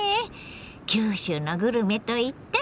九州のグルメといったらあれ。